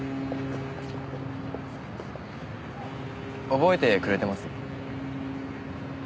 覚えてくれてます？